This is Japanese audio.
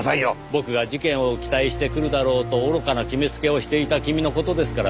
僕が事件を期待して来るだろうと愚かな決めつけをしていた君の事ですからねぇ。